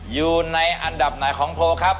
อยู่ในอันดับไหนของโพลครับ